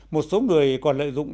một số người còn lợi dụng